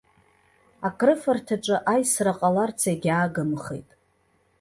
Акрыфарҭаҿы аисра ҟаларц егьаагымхеит.